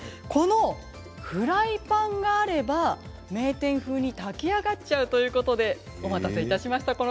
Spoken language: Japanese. このフライパンがあれば名店風に炊き上がっちゃうということでお待たせいたしました。